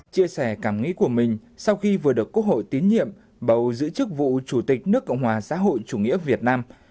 chia sẻ cảm nghĩ của mình sau khi vừa được quốc hội tín nhiệm bầu giữ chức vụ chủ tịch nước cộng hòa xã hội chủ nghĩa việt nam